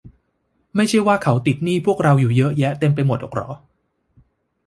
ไม่ใช่ว่าเขาติดหนี้พวกเราอยู่เยอะแยะเต็มไปหมดหรอกหรอ ?